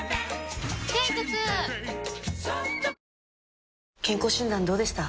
ペイトク健康診断どうでした？